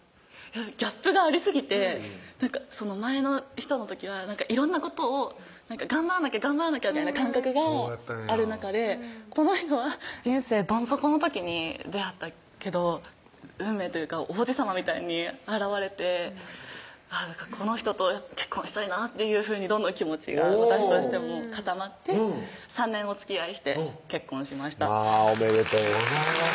ギャップがありすぎて前の人の時は色んなことを頑張らなきゃみたいな感覚がそうやったんやこの人は人生どん底の時に出会ったけど運命というか王子さまみたいに現れてこの人と結婚したいなっていうふうにどんどん気持ちが私としても固まって３年おつきあいして結婚しましたまぁおめでとうございます